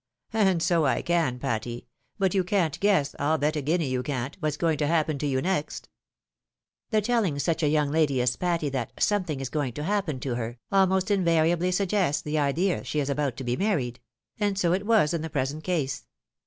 '' And so I can, Patty. But you can't guess, rU bet a guinea you can't, what's going to happen to you next." FINE PROSPECTS FOR PATTY. 205 The telling such a young lady as Patty that " something is going to happen to her," almost invariably suggests the idea that she is abo\it to be married ; and so it was in the present case.